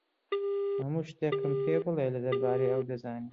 هەموو شتێکم پێ بڵێ کە دەربارەی ئەو دەزانیت.